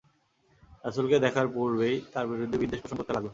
রাসূলকে দেখার পূর্বেই তার বিরুদ্ধে বিদ্বেষ পোষণ করতে লাগল।